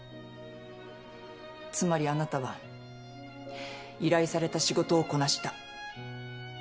つまりあなたは依頼された仕事をこなした。